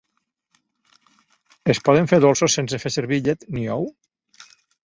Es poden fer dolços sense fer servir llet ni ou?